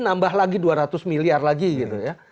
nambah lagi dua ratus miliar lagi gitu ya